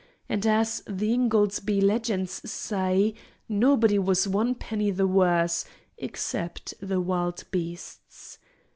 And, as the "Ingoldsby Legends" say, "nobody was one penny the worse," except the wild beasts.